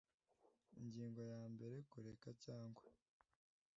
ingingo ya mbere kureka cyangwa